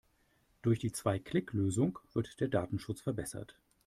Durch die Zwei-Klick-Lösung wird der Datenschutz verbessert.